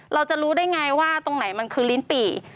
เราจะรู้ได้ไงว่าตรงไหนมันคือลิ้นปี่